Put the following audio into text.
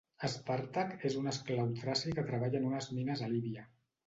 Espàrtac és un esclau traci que treballa en unes mines a Líbia.